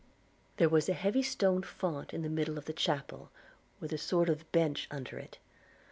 There was a heavy stone font in the middle of the chapel, with a sort of bench under it.